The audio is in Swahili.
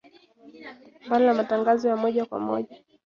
Mbali na matangazo ya moja kwa moja